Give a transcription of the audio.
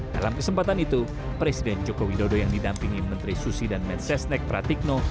dalam kesempatan itu presiden joko widodo yang didampingi menteri susi dan mensesnek pratikno